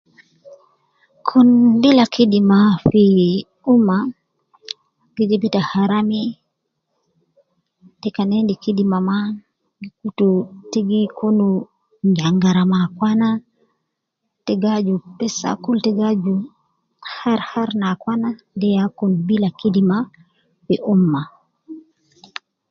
Kun bila kidima fii, umma gi jib ita harami, te kan endi kidima ma, gi kutu te gi kunu nyangara me akwana, te gi aju bes kul ,te gi aju har har me akwana, de ya kun bila kidima fi umma